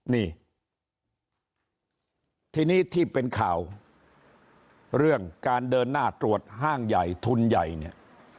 นี่ทีนี้ที่เป็นข่าวเรื่องการเดินหน้าตรวจห้างใหญ่ทุนใหญ่เนี่ย